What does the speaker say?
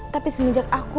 tapi semenjak aku